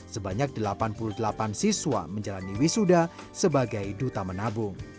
sebanyak delapan puluh delapan siswa menjalani wisuda sebagai duta menabung